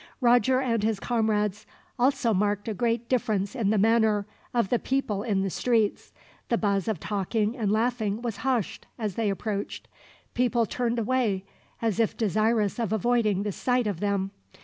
Roger and his comrades also marked a great difference in the manner of the people in the streets. The buzz of talking and laughing was hushed, as they approached. People turned away, as if desirous of avoiding the sight of them.